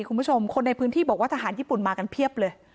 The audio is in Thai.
คนในพื้นที่บอกว่าทหารญี่ปุ่นมากันเพียบเลย